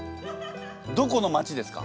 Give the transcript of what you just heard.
どこの町ですか？